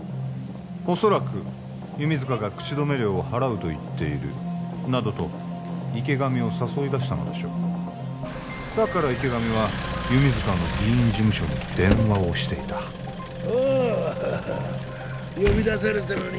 恐らく弓塚が口止め料を払うと言っているなどと池上を誘いだしたのでしょうだから池上は弓塚の議員事務所に電話をしていたおお呼び出されたのに